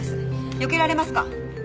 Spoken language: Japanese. よけられますか？